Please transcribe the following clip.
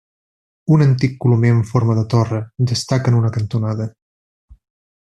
Un antic colomer amb forma de torre destaca en una cantonada.